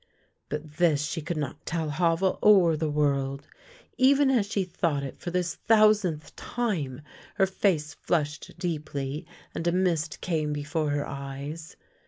But this she could not tell Havel or the world. Even as she thought it for this thousandth time, her face flushed deeply, and a mist came before her eyes.